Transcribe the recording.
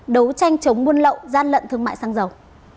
đấu tranh chống buôn lậu gian lận thương mại xăng dầu